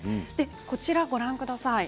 こちらをご覧ください。